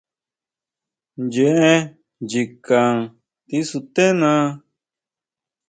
Ncheé nchikan tisesun.